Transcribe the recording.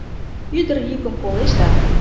Ӱдыр, йӱкым колеш да